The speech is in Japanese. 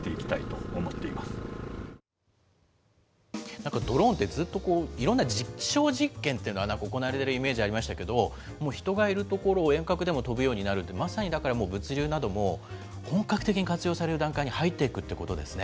なんかドローンって、ずっといろんな実証実験というのが行われているイメージありましたけど、もう人がいる所を遠隔でも飛ぶようになると、まさに物流なども本格的に活用される段階に入っていくということですね。